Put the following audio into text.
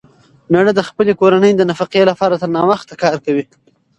مېړه د خپلې کورنۍ د نفقې لپاره تر ناوخته کار کوي.